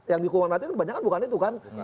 yang di hukuman mati itu banyak bukan itu kan